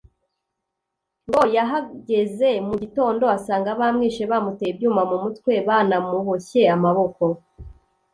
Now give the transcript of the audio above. ngo yahageze mu gitondo asanga bamwishe bamuteye ibyuma mu mutwe banamuboshye amaboko